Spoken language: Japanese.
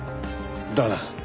だな。